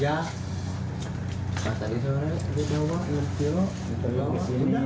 gak ada lagi